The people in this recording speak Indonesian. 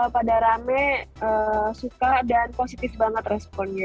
pada rame suka dan positif banget responnya